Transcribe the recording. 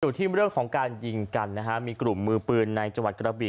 กลับมาดูที่เมื่อเรื่องการยิงกันมีกลุ่มมือปืนในจังหวัดกระบี่